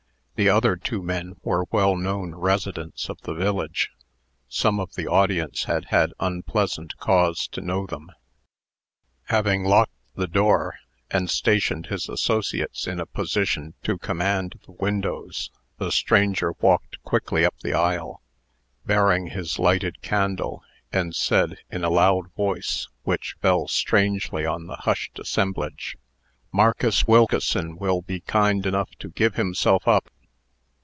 The other two men were well known residents of the village. Some of the audience had had unpleasant cause to know them. Having locked the door, and stationed his associates in a position to command the windows, the stranger walked quickly up the aisle, bearing his lighted candle, and said, in a loud voice, which fell strangely on the hushed assemblage: "Marcus Wilkeson will be kind enough to give himself up.